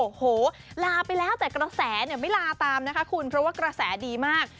โอ้โหลาไปแล้วแต่กระแสเนี่ยไม่ลาตามนะคะคุณเพราะว่ากระแสดีมาก